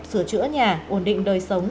sửa chữa nhà ổn định đời sống